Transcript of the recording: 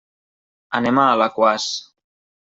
Anem a Alaquàs.